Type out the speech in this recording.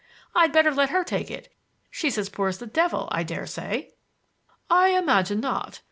I'd better let her take it. She's as poor as the devil, I dare say." "I imagine not.